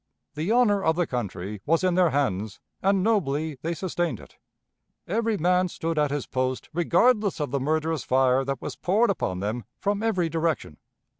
The honor of the country was in their hands, and nobly they sustained it. Every man stood at his post, regardless of the murderous fire that was poured upon them from every direction.